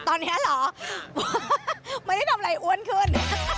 ตอนนี้เหรอไม่ได้ทำอะไรอ้วนขึ้น